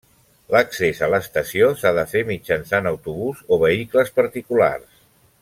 L'accés a l'estació s'ha de fer mitjançant autobús o vehicles particulars.